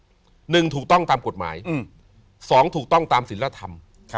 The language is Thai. สองถูกต้องตามศิลธรรม